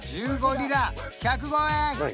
１５リラ１０５円